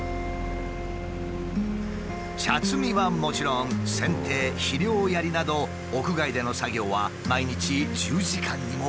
茶摘みはもちろん剪定肥料やりなど屋外での作業は毎日１０時間にも及ぶ。